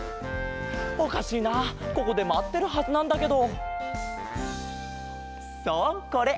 おかしいなここでまってるはずなんだけど。